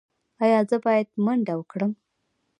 ایا زه باید منډه وکړم؟